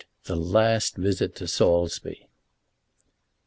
THE LAST VISIT TO SAULSBY.